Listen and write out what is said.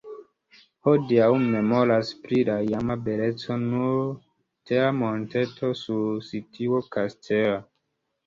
Hodiaŭ memoras pri la iama beleco nur tera monteto sur la situo kastela.